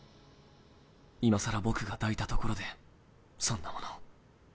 今さら僕が抱いたところでそんなもの